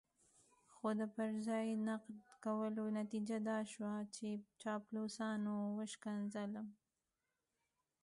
خو د پر ځای نقد کولو نتيجه دا شوه چې چاپلوسانو وشکنځلم.